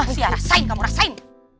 sial rasain kamu rasain